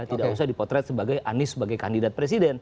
tidak usah dipotret sebagai anies sebagai kandidat presiden